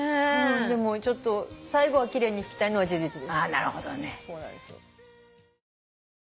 でもちょっと最後は奇麗に拭きたいのは事実です。